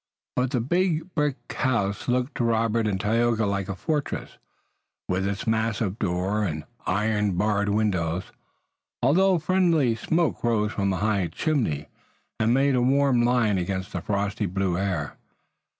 But the big brick house looked to Robert and Tayoga like a fortress, with its massive door and iron barred windows, although friendly smoke rose from a high chimney and made a warm line against the frosty blue air.